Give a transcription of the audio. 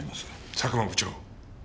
佐久間部長。